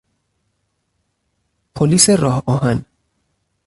پلیس راه آهن